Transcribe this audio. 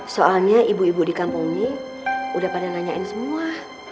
soalnya ibu ibu di kampung ini udah pada nanyain semua